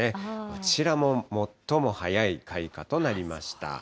こちらも最も早い開花となりました。